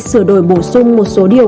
sửa đổi bổ sung một số điều